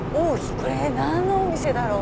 これ何のお店だろう？